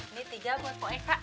ini tiga buat poeka